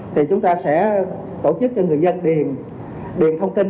thì chúng ta sẽ tổ chức cho người dân điền thông tin